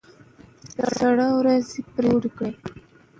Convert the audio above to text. سره ورځ یې پرې جوړه کړه.